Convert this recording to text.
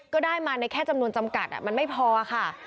ก็ได้มาในแค่จำนวนจำกัดมันไม่พอค่ะ